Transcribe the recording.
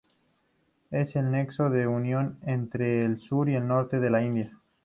Es el nexo de unión entre el sur y el norte de la India.